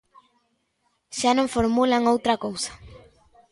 Xa non formulan outra cousa.